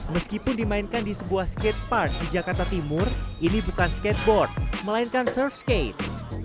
meskipun dimainkan di sebuah skate park di jakarta timur ini bukan skateboard melainkan surfskate